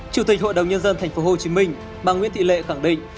chủ tịch hội đồng nhân dân tp hcm bà nguyễn thị lệ khẳng định